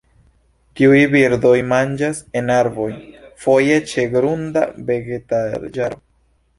Tiuj birdoj manĝas en arboj, foje ĉe grunda vegetaĵaro.